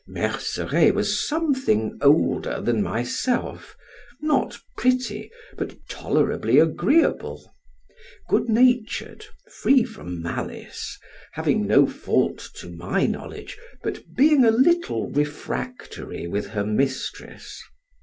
Merceret was something older than myself, not pretty, but tolerably agreeable; good natured, free from malice, having no fault to my knowledge but being a little refractory with her mistress.